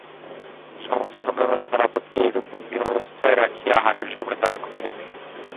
সমস্ত সন্ধ্যাবেলা তারাপদকে এইরূপ বন্দী অবস্থায় রাখিয়া আহারের সময় দ্বার খুলিয়া দিল।